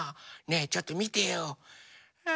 ねえちょっとみてよ！え？